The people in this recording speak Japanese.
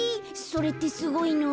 それってすごいの？